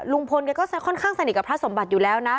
ลุงพลแกก็ค่อนข้างสนิทกับพระสมบัติอยู่แล้วนะ